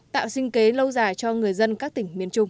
tạo sinh kế lâu dài cho người dân các tỉnh miền trung